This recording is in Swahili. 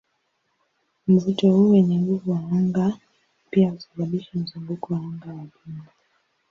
Mvuto huu wenye nguvu wa anga pia husababisha mzunguko wa anga wa jumla.